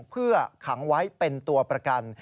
เพื่อขังไว้เป็นตัวประกัน